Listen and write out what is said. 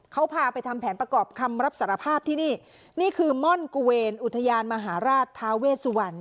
เขาพาไปทำแผนประกอบคำรับสารภาพที่นี่นี่คือม่อนกุเวนอุทยานมหาราชทาเวสวรรณ